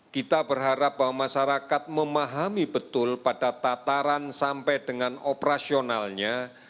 kita berharap bahwa masyarakat memahami betul pada tataran sampai dengan operasionalnya